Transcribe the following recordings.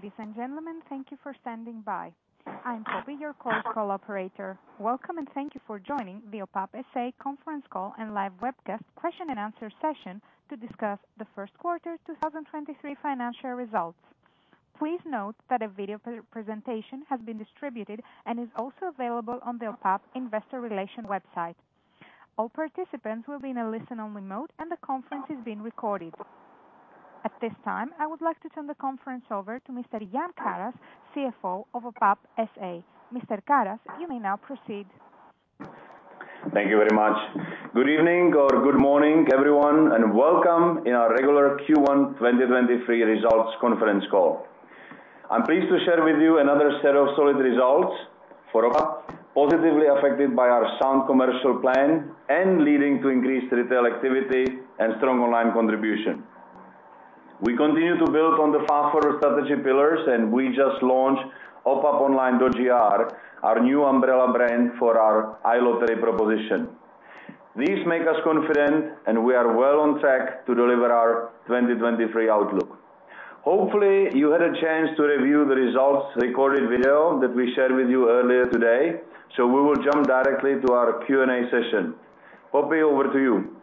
Ladies and gentlemen, thank you for standing by. I'm Poppy, your call operator. Welcome, and thank you for joining the OPAP S.A. conference call and live webcast question and answer session to discuss the Q1, 2023 financial results. Please note that a video pre-presentation has been distributed and is also available on the OPAP Investor Relations website. All participants will be in a listen-only mode, and the conference is being recorded. At this time, I would like to turn the conference over to Mr. Jan Karas, CFO of OPAP S.A. Mr. Karas, you may now proceed. Thank you very much. Good evening or good morning, everyone, and welcome in our regular Q1 2023 results conference call. I'm pleased to share with you another set of solid results for OPAP, positively affected by our sound commercial plan and leading to increased retail activity and strong online contribution. We continue to build on the Fast Forward strategy pillars. We just launched opaponline.gr, our new umbrella brand for our iLottery proposition. These make us confident. We are well on track to deliver our 2023 outlook. Hopefully, you had a chance to review the results recorded video that we shared with you earlier today. We will jump directly to our Q&A session. Poppy, over to you.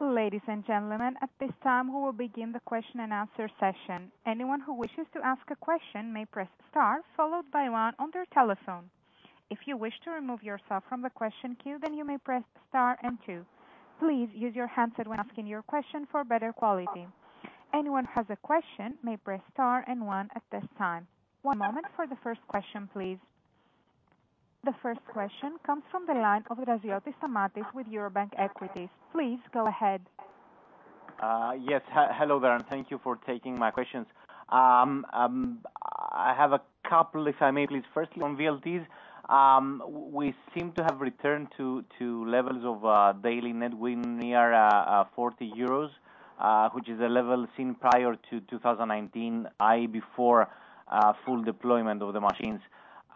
Ladies and gentlemen, at this time, we will begin the question and answer session. Anyone who wishes to ask a question may press star, followed by one on their telephone. If you wish to remove yourself from the question queue, you may press star and two. Please use your handset when asking your question for better quality. Anyone who has a question may press star and one at this time. One moment for the first question, please. The first question comes from the line of Draziotis Stamatios with Eurobank Equities. Please go ahead. Yes. Hello there, and thank you for taking my questions. I have a couple, if I may, please. Firstly, on VLTs, we seem to have returned to levels of daily net win near 40 euros, which is a level seen prior to 2019, i.e., before full deployment of the machines.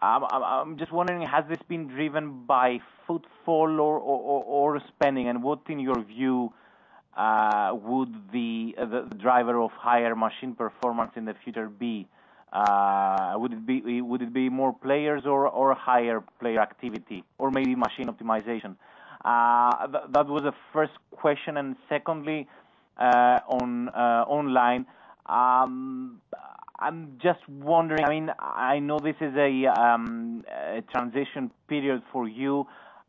I'm just wondering, has this been driven by footfall or spending? What, in your view, would be the driver of higher machine performance in the future be? Would it be more players or higher player activity, or maybe machine optimization? That was the first question. Secondly, on online. I'm just wondering, I mean, I know this is a transition period for you,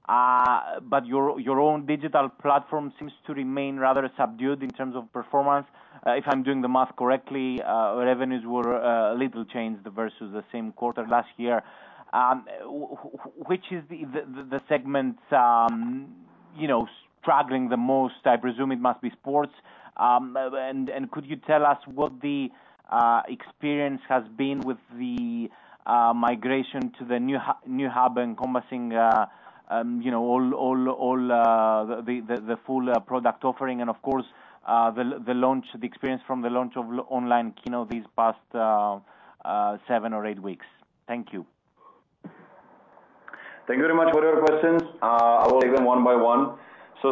but your own digital platform seems to remain rather subdued in terms of performance. If I'm doing the math correctly, revenues were little changed versus the same quarter last year. Which is the segment, you know, struggling the most? I presume it must be sports. Could you tell us what the experience has been with the migration to the new hub encompassing, you know, all the full product offering and of course, the launch, the experience from the launch of online, you know, these past seven or eight weeks? Thank you. Thank you very much for your questions. I will take them one by one.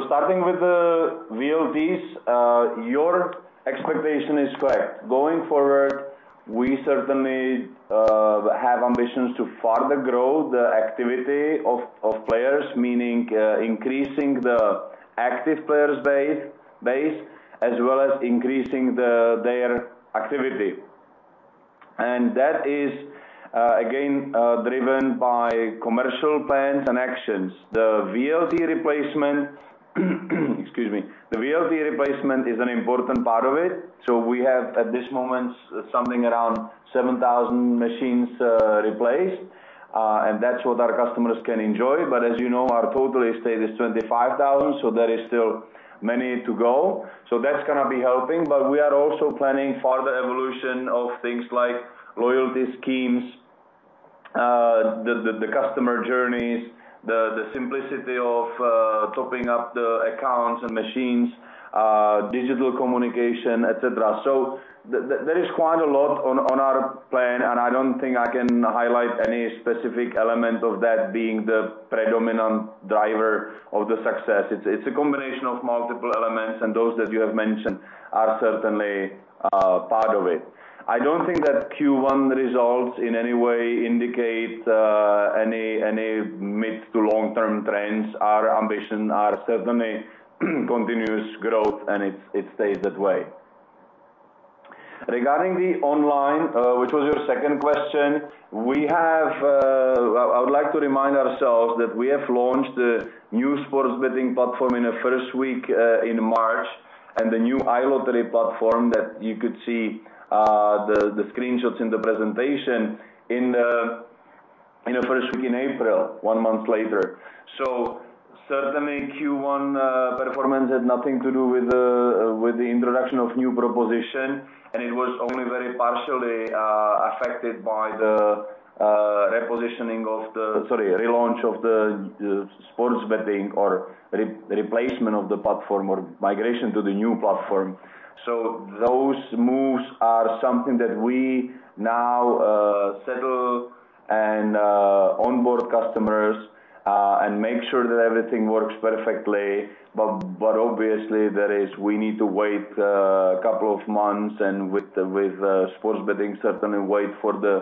Starting with the VLTs, your expectation is correct. Going forward, we certainly have ambitions to further grow the activity of players, meaning increasing the active players base, as well as increasing their activity. That is again driven by commercial plans and actions. The VLT replacement, excuse me. The VLT replacement is an important part of it, so we have, at this moment, something around 7,000 machines, replaced, and that's what our customers can enjoy. As you know, our total estate is 25,000, so there is still many to go. That's gonna be helping, but we are also planning further evolution of things like loyalty schemes, the customer journeys, the simplicity of topping up the accounts and machines, digital communication, et cetera. There is quite a lot on our plan, and I don't think I can highlight any specific element of that being the predominant driver of the success. It's a combination of multiple elements, and those that you have mentioned are certainly part of it. I don't think that Q1 results in any way indicate any mid to long-term trends. Our ambition are certainly continuous growth, and it stays that way. Regarding the online, which was your second question, we have... I would like to remind ourselves that we have launched the new sports betting platform in the first week in March, and the new iLottery platform that you could see the screenshots in the presentation in the first week in April, one month later. Certainly, Q1 performance had nothing to do with the introduction of new proposition, and it was only very partially affected by the repositioning of the... Sorry, relaunch of the sports betting or re-replacement of the platform or migration to the new platform. Those moves are something that we now settle... and onboard customers and make sure that everything works perfectly. Obviously, there is we need to wait a couple of months, and with sports betting, certainly wait for the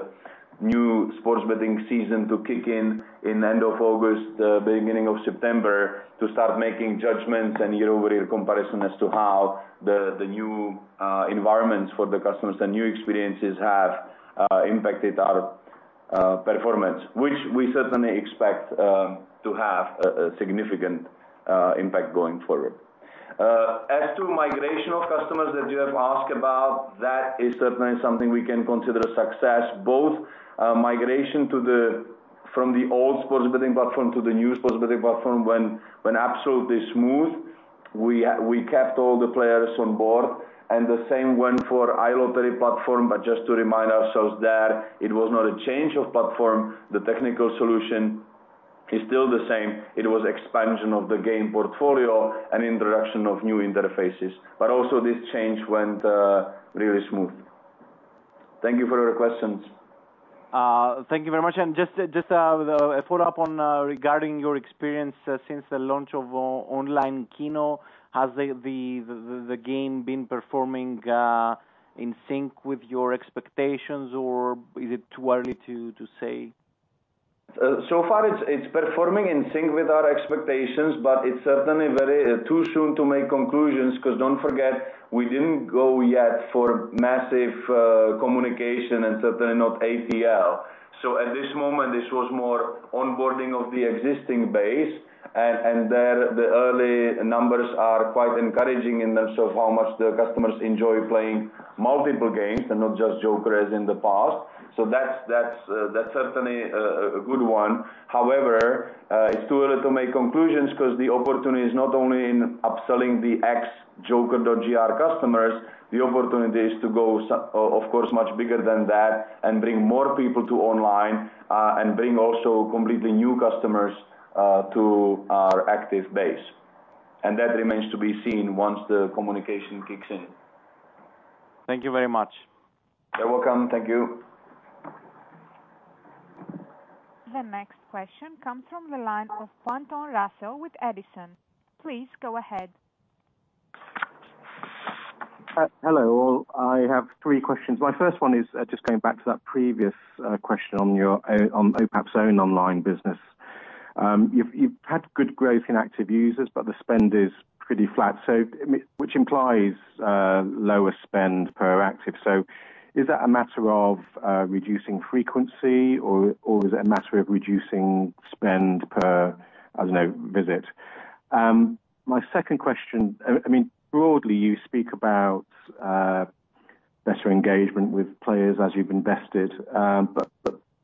new sports betting season to kick in end of August, beginning of September, to start making judgments and year-over-year comparison as to how the new environments for the customers, the new experiences have impacted our performance. We certainly expect to have a significant impact going forward. As to migrational customers that you have asked about, that is certainly something we can consider a success, both migration from the old sports betting platform to the new sports betting platform went absolutely smooth. We kept all the players on board, and the same went for iLottery platform. Just to remind ourselves that it was not a change of platform, the technical solution is still the same. It was expansion of the game portfolio and introduction of new interfaces, but also this change went really smooth. Thank you for your questions. Thank you very much. Just with a follow-up on regarding your experience since the launch of Online KINO, has the game been performing in sync with your expectations, or is it too early to say? So far it's performing in sync with our expectations, but it's certainly very too soon to make conclusions, 'cause don't forget, we didn't go yet for massive communication and certainly not ATL. At this moment, this was more onboarding of the existing base, and there, the early numbers are quite encouraging in terms of how much the customers enjoy playing multiple games and not just Joker as in the past. That's certainly a good one. However, it's too early to make conclusions 'cause the opportunity is not only in upselling the ex joker.gr customers, the opportunity is to go, of course, much bigger than that and bring more people to online and bring also completely new customers to our active base. That remains to be seen once the communication kicks in. Thank you very much. You're welcome. Thank you. The next question comes from the line of Russell Pointon with Edison. Please go ahead. Hello all. I have three questions. My first one is, just going back to that previous question on your, on OPAP's own online business. You've had good growth in active users, but the spend is pretty flat, I mean, which implies lower spend per active. Is that a matter of reducing frequency or is it a matter of reducing spend per, I don't know, visit? My second question, I mean, broadly, you speak about better engagement with players as you've invested, but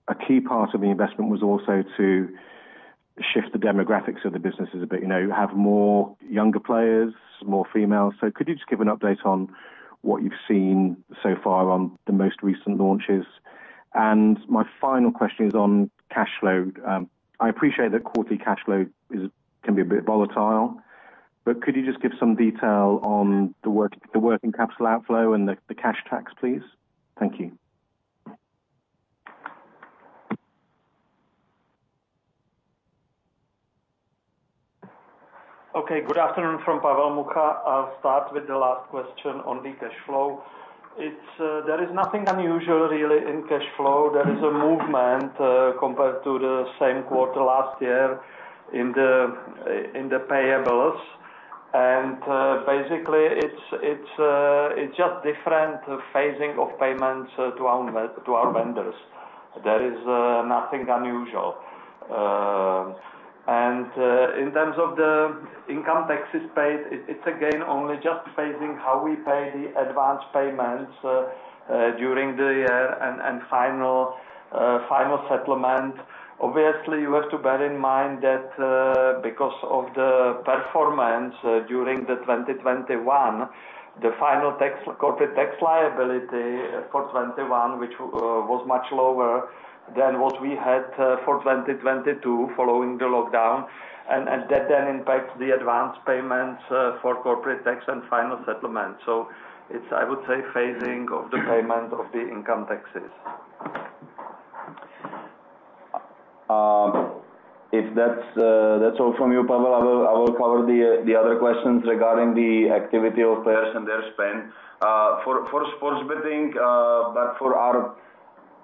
a key part of the investment was also to shift the demographics of the businesses a bit. You know, have more younger players, more females. Could you just give an update on what you've seen so far on the most recent launches? My final question is on cash flow. I appreciate that quarterly cash flow is, can be a bit volatile. Could you just give some detail on the working capital outflow and the cash tax, please? Thank you. Okay. Good afternoon from Pavel Mucha. I'll start with the last question on the cash flow. It's there is nothing unusual really, in cash flow. There is a movement compared to the same quarter last year in the in the payables. Basically, it's, uh, it's just different phasing of payments to our vendors. There is nothing unusual. In terms of the income taxes paid, it's again, only just phasing how we pay the advanced payments during the year and final final settlement. Obviously, you have to bear in mind that, because of the performance, during 2021, the final tax, corporate tax liability for 2021, which, was much lower than what we had, for 2022 following the lockdown, and that then impacts the advanced payments, for corporate tax and final settlement. It's, I would say, phasing of the payment of the income taxes. If that's all from you, Pavel, I will cover the other questions regarding the activity of players and their spend. For sports betting,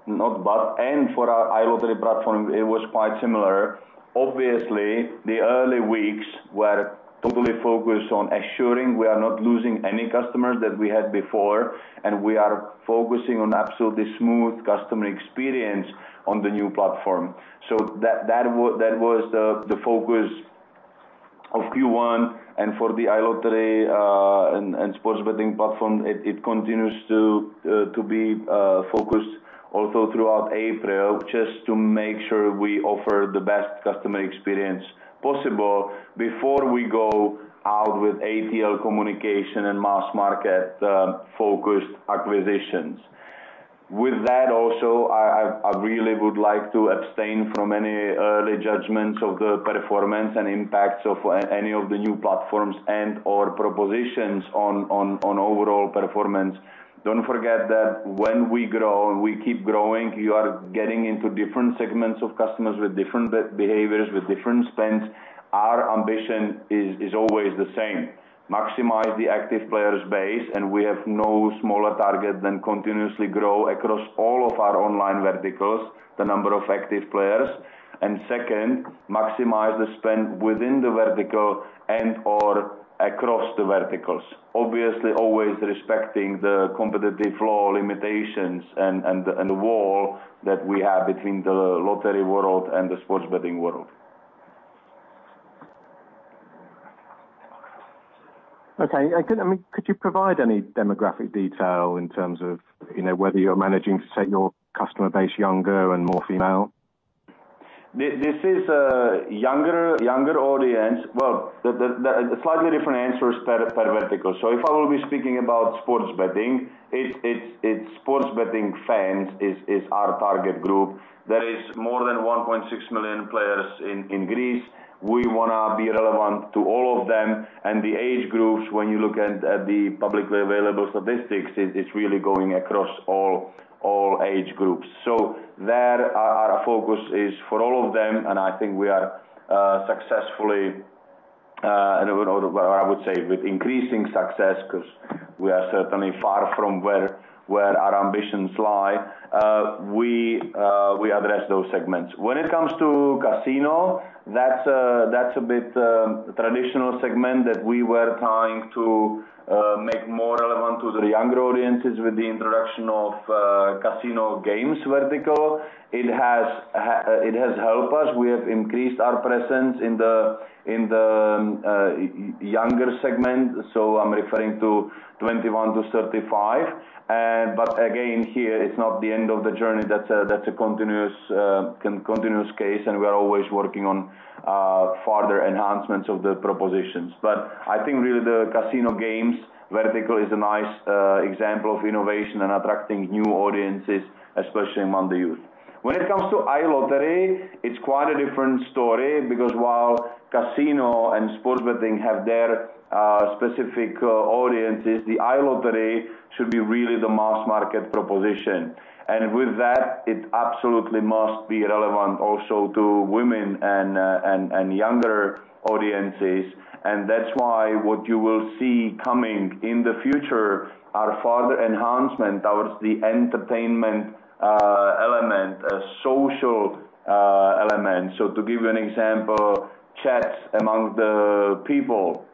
and for our iLottery platform, it was quite similar. Obviously, the early weeks were totally focused on ensuring we are not losing any customers that we had before, and we are focusing on absolutely smooth customer experience on the new platform. That was the focus of Q1 and for the iLottery and sports betting platform, it continues to be focused also throughout April, just to make sure we offer the best customer experience possible before we go out with ATL communication and mass market focused acquisitions. With that also, I really would like to abstain from any early judgments of the performance and impacts of any of the new platforms and or propositions on overall performance. Don't forget that when we grow, we keep growing, you are getting into different segments of customers with different behaviors, with different spends. Our ambition is always the same: maximize the active players base, and we have no smaller target than continuously grow across all of our online verticals, the number of active players. Second, maximize the spend within the vertical and or across the verticals. Obviously, always respecting the competitive law limitations and the wall that we have between the lottery world and the sports betting world. Okay. Could, I mean, could you provide any demographic detail in terms of, you know, whether you're managing to set your customer base younger and more female? This is a younger audience. Well, the slightly different answer is per vertical. If I will be speaking about sports betting, it's sports betting fans is our target group. There is more than 1.6 million players in Greece. We wanna be relevant to all of them. The age groups, when you look at the publicly available statistics, it is really going across all age groups. There, our focus is for all of them, and I think we are successfully and, well, I would say with increasing success, 'cause we are certainly far from where our ambitions lie, we address those segments. When it comes to casino, that's a bit, traditional segment that we were trying to make more relevant to the younger audiences with the introduction of casino games vertical. It has helped us. We have increased our presence in the younger segment, so I'm referring to 21-35. Again, here, it's not the end of the journey. That's a continuous case, and we are always working on further enhancements of the propositions. I think really the casino games vertical is a nice example of innovation and attracting new audiences, especially among the youth. When it comes to iLottery, it's quite a different story because while casino and sports betting have their specific audiences, the iLottery should be really the mass market proposition. With that, it absolutely must be relevant also to women and younger audiences. That's why what you will see coming in the future are further enhancement towards the entertainment element, a social element. To give you an example, chats among the people,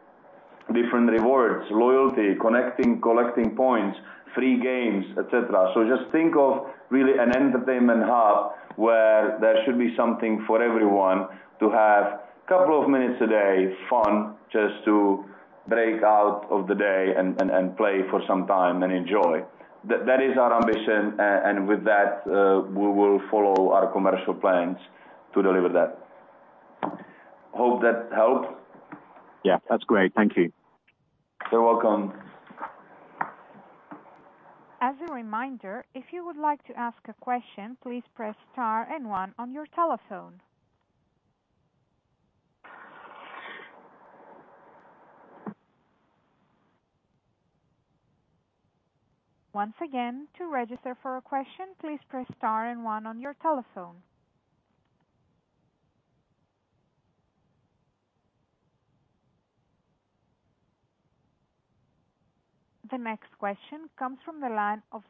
different rewards, loyalty, connecting, collecting points, free games, et cetera. Just think of really an entertainment hub, where there should be something for everyone to have couple of minutes a day fun, just to break out of the day and play for some time and enjoy. That is our ambition, and with that, we will follow our commercial plans to deliver that. Hope that helped? Yeah, that's great. Thank you. You're welcome. As a reminder, if you would like to ask a question, please press star one on your telephone. Once again, to register for a question, please press star one on your telephone. The next question comes from the line of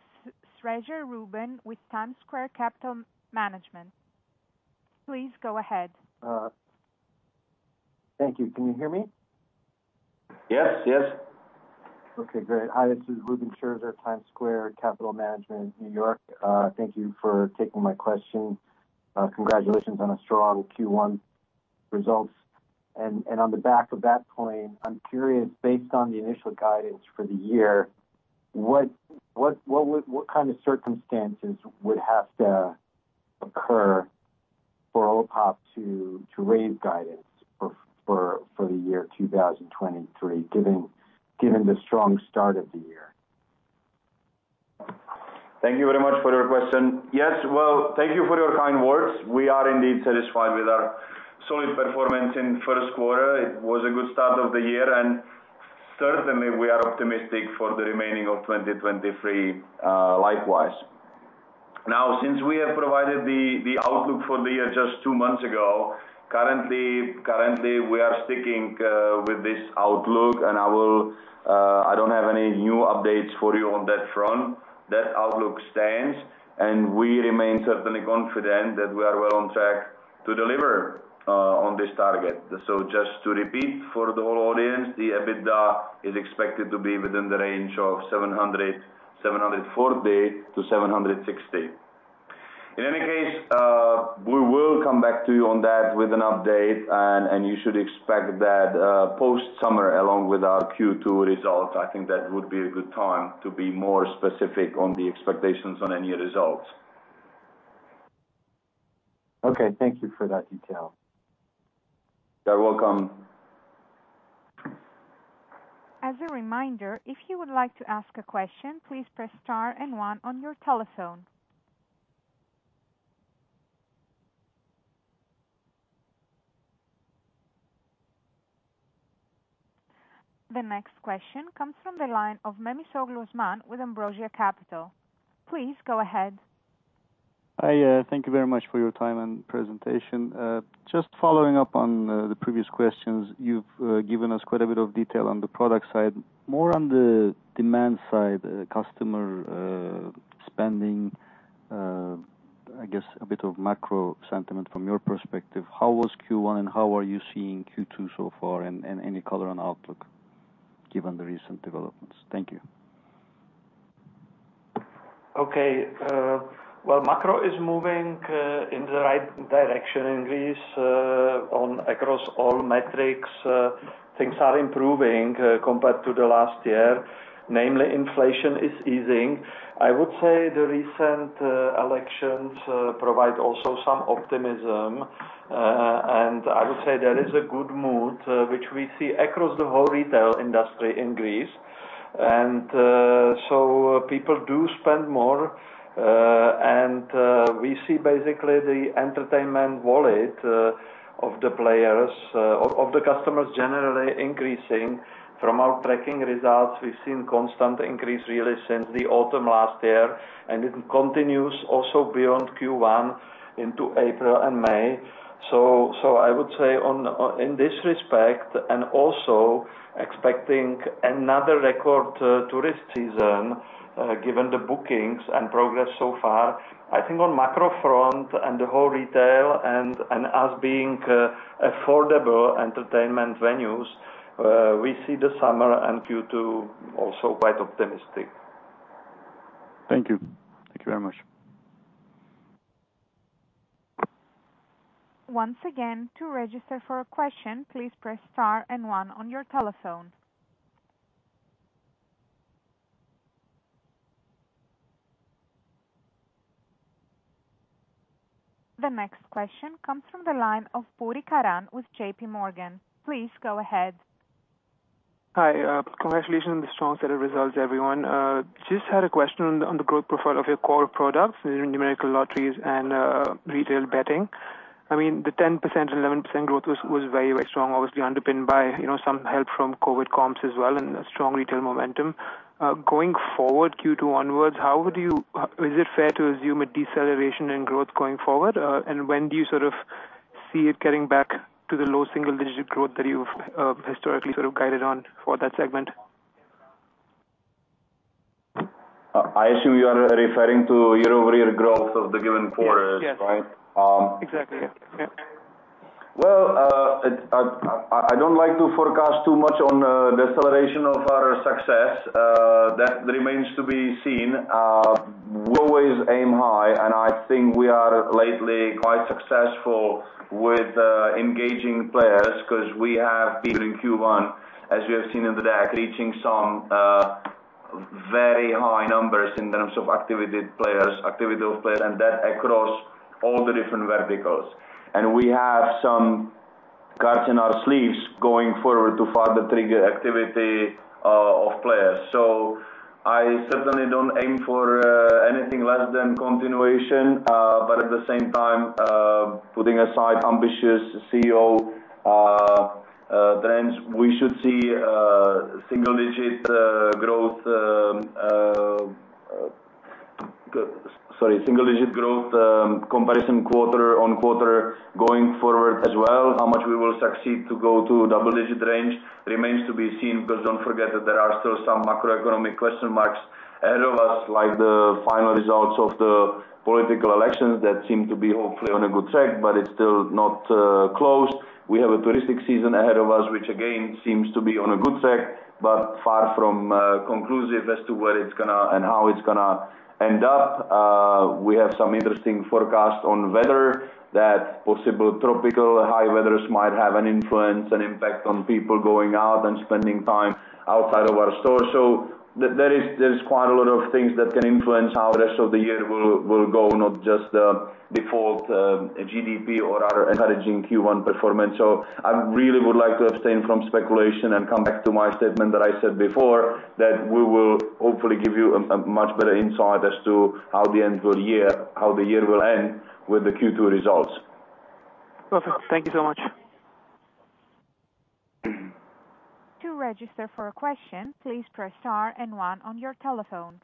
Reuben Scherzer with TimesSquare Capital Management. Please go ahead. Thank you. Can you hear me? Yes. Yes. Okay, great. Hi, this is Reuben Scherzer at TimesSquare Capital Management, New York. Thank you for taking my question. Congratulations on a strong Q1 results. On the back of that coin, I'm curious, based on the initial guidance for the year, what kind of circumstances would have to occur for OPAP to raise guidance for the year 2023, given the strong start of the year? Thank you very much for your question. Yes, well, thank you for your kind words. We are indeed satisfied with our solid performance in Q1. It was a good start of the year, and certainly, we are optimistic for the remaining of 2023, likewise. Since we have provided the outlook for the year just two months ago, currently, we are sticking with this outlook, and I don't have any new updates for you on that front. That outlook stands, and we remain certainly confident that we are well on track to deliver on this target. Just to repeat for the whole audience, the EBITDA is expected to be within the range of 740-760. In any case, we will come back to you on that with an update, and you should expect that, post-summer, along with our Q2 results. I think that would be a good time to be more specific on the expectations on any results. Okay, thank you for that detail. You're welcome. As a reminder, if you would like to ask a question, please press star one on your telephone. The next question comes from the line of Osman Memisoglu with Ambrosia Capital. Please go ahead. Hi, thank you very much for your time and presentation. Just following up on the previous questions, you've given us quite a bit of detail on the product side. More on the demand side, customer spending, I guess a bit of macro sentiment from your perspective, how was Q1, and how are you seeing Q2 so far? Any color and outlook given the recent developments? Thank you. Okay. Well, macro is moving in the right direction in Greece. On across all metrics, things are improving compared to the last year, namely, inflation is easing. I would say the recent elections provide also some optimism. I would say there is a good mood, which we see across the whole retail industry in Greece. People do spend more, and we see basically the entertainment wallet of the players, of the customers generally increasing. From our tracking results, we've seen constant increase really since the autumn last year, and it continues also beyond Q1 into April and May. I would say on in this respect, and also expecting another record tourist season, given the bookings and progress so far, I think on macro front and the whole retail and us being affordable entertainment venues, we see the summer and Q2 also quite optimistic. Thank you. Thank you very much. Once again, to register for a question, please press star and one on your telephone. The next question comes from the line of Karan Puri with JP Morgan. Please go ahead. Hi, congratulations on the strong set of results, everyone. Just had a question on the growth profile of your core products, numerical lotteries and retail betting. I mean, the 10%, 11% growth was very, very strong, obviously underpinned by, you know, some help from Covid comps as well, and a strong retail momentum. Going forward, Q2 onwards, is it fair to assume a deceleration in growth going forward? When do you sort of see it getting back to the low single-digit growth that you've historically sort of guided on for that segment? I assume you are referring to year-over-year growth of the given quarter, right? Yes. Exactly. Yeah. Well, I don't like to forecast too much on deceleration of our success. That remains to be seen. We always aim high, and I think we are lately quite successful with engaging players, 'cause we have people in Q1, as we have seen in the deck, reaching some very high numbers in terms of activity players, activity of players, and that across all the different verticals. We have some cards in our sleeves going forward to further trigger activity of players. I certainly don't aim for anything less than continuation. At the same time, putting aside ambitious CEO trends, we should see single digit growth comparison quarter-on-quarter going forward as well. How much we will succeed to go to double-digit range remains to be seen. Don't forget that there are still some macroeconomic question marks ahead of us, like the final results of the political elections that seem to be hopefully on a good track, but it's still not closed. We have a touristic season ahead of us, which again, seems to be on a good track, but far from conclusive as to where it's gonna and how it's gonna end up. We have some interesting forecasts on weather, that possible tropical high weathers might have an influence and impact on people going out and spending time outside of our store. There is quite a lot of things that can influence how the rest of the year will go, not just default GDP or our encouraging Q1 performance. I really would like to abstain from speculation and come back to my statement that I said before, that we will hopefully give you a much better insight as to how the year will end with the Q2 results. Awesome. Thank you so much. To register for a question, please press star and one on your telephone.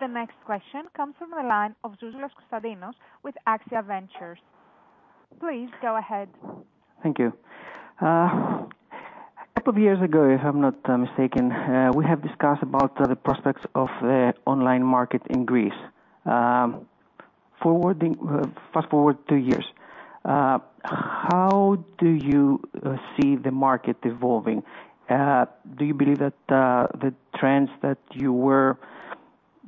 The next question comes from the line of Constantinos Zouzoulas with AXIA Ventures. Please go ahead. Thank you. A couple of years ago, if I'm not mistaken, we have discussed about the prospects of online market in Greece. Fast-forward two years, how do you see the market evolving? Do you believe that the trends that you were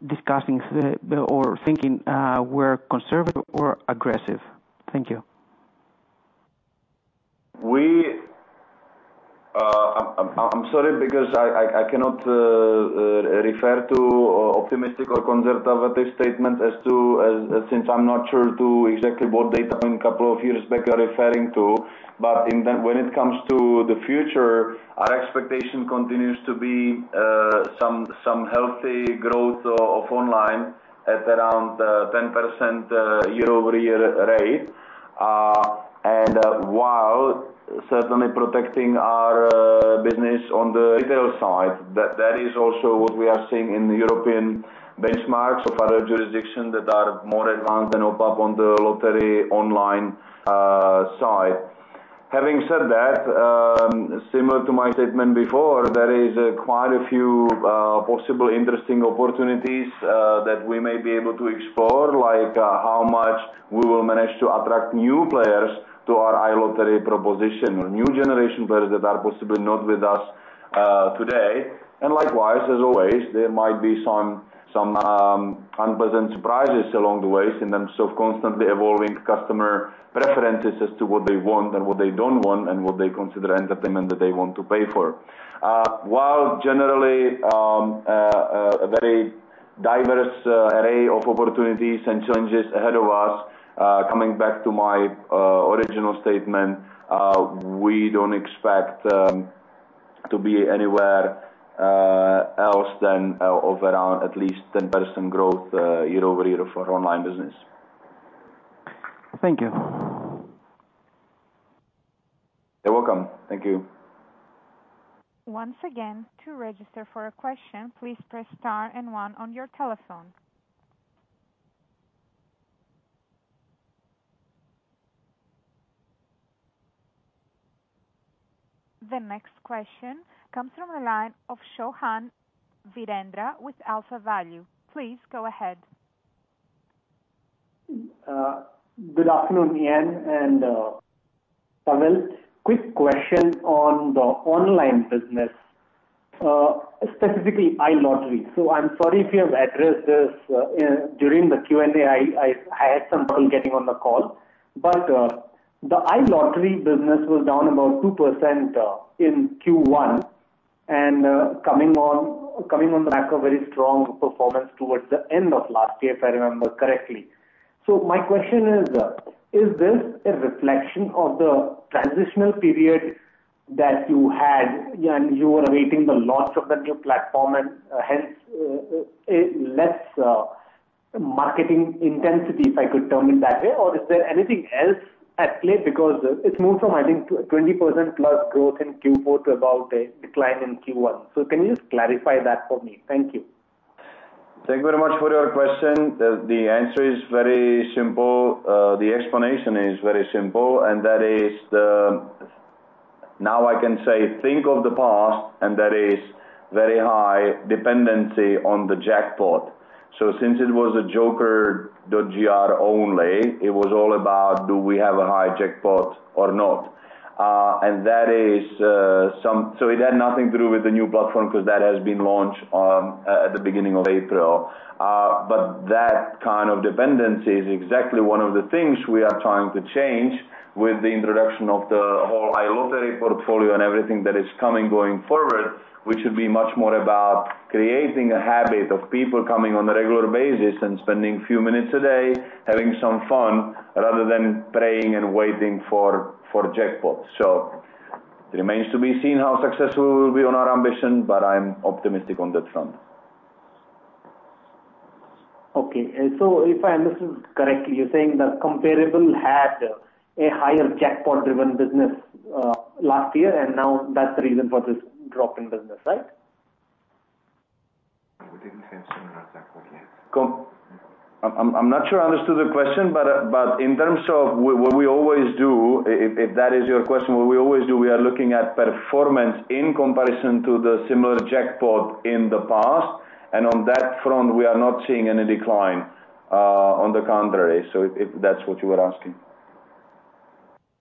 discussing the or thinking, were conservative or aggressive? Thank you. I'm sorry, because I cannot refer to optimistic or conservative statement as to since I'm not sure to exactly what data from a couple of years back you're referring to. When it comes to the future, our expectation continues to be some healthy growth of online at around 10% year-over-year rate. While certainly protecting our business on the retail side, that is also what we are seeing in the European benchmarks of other jurisdictions that are more advanced than OPAP on the lottery online side. Having said that, similar to my statement before, there is quite a few possible interesting opportunities that we may be able to explore, like how much we will manage to attract new players to our iLottery proposition, or new generation players that are possibly not with us today. Likewise, as always, there might be some unpleasant surprises along the way in terms of constantly evolving customer preferences as to what they want and what they don't want, and what they consider entertainment that they want to pay for. While generally, a very diverse array of opportunities and challenges ahead of us, coming back to my original statement, we don't expect to be anywhere else than of around at least 10% growth year-over-year for our online business. Thank you. You're welcome. Thank you. Once again, to register for a question, please press star and one on your telephone. The next question comes from the line of Virendra Chauhan with AlphaValue. Please go ahead. Good afternoon, Jan and Pavel. Quick question on the online business, specifically, iLottery. I'm sorry if you have addressed this during the Q&A. I had some trouble getting on the call. The iLottery business was down about 2% in Q1, and coming on the back of very strong performance towards the end of last year, if I remember correctly. My question is this a reflection of the transitional period that you had when you were awaiting the launch of the new platform, and hence, a less marketing intensity, if I could term it that way? Is there anything else at play? It's moved from, I think, 20% plus growth in Q4 to about a decline in Q1. Can you just clarify that for me? Thank you. Thank you very much for your question. The answer is very simple. The explanation is very simple, that is the... Now I can say, think of the past, and there is very high dependency on the jackpot. Since it was a Joker.gr only, it was all about, do we have a high jackpot or not? That is, so it had nothing to do with the new platform, 'cause that has been launched, at the beginning of April. That kind of dependency is exactly one of the things we are trying to change with the introduction of the whole iLottery portfolio and everything that is coming going forward, which should be much more about creating a habit of people coming on a regular basis and spending few minutes a day, having some fun, rather than praying and waiting for jackpots. It remains to be seen how successful we will be on our ambition, but I'm optimistic on that front. Okay. If I understand correctly, you're saying that comparable had a higher jackpot-driven business last year, and now that's the reason for this drop in business, right? We didn't mention about jackpot yet. I'm not sure I understood the question, but in terms of what we always do, if that is your question, what we always do, we are looking at performance in comparison to the similar jackpot in the past, and on that front, we are not seeing any decline, on the contrary, so if that's what you were asking.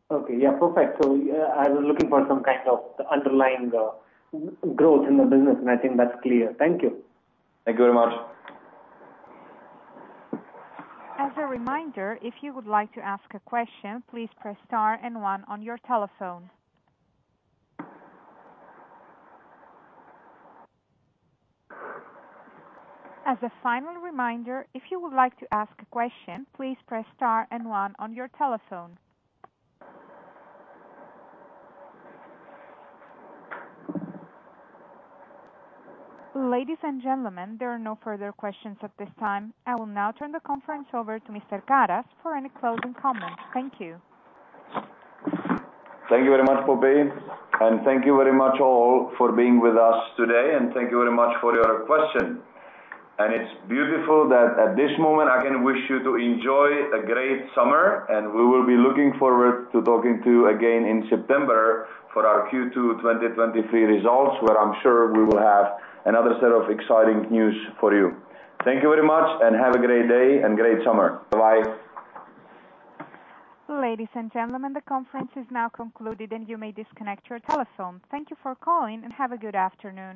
Okay. Yeah, perfect. I was looking for some kind of underlying growth in the business, and I think that's clear. Thank you. Thank you very much. As a reminder, if you would like to ask a question, please press star and one on your telephone. As a final reminder, if you would like to ask a question, please press star and one on your telephone. Ladies and gentlemen, there are no further questions at this time. I will now turn the conference over to Mr. Karas for any closing comments. Thank you. Thank you very much, Poppy, and thank you very much all for being with us today, and thank you very much for your question. It's beautiful that at this moment, I can wish you to enjoy a great summer, and we will be looking forward to talking to you again in September for our Q2 2023 results, where I'm sure we will have another set of exciting news for you. Thank you very much. Have a great day and great summer. Bye-bye. Ladies and gentlemen, the conference is now concluded, and you may disconnect your telephone. Thank you for calling, and have a good afternoon.